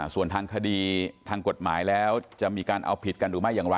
ส่วนทางคดีทางกฎหมายแล้วจะมีการเอาผิดกันหรือไม่อย่างไร